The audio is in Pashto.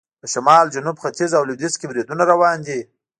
په شمال، جنوب، ختیځ او لویدیځ کې بریدونه روان دي.